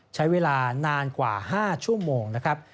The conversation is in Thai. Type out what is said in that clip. ใช้เวลานานกว่า๕ชั่วโมงนะครับ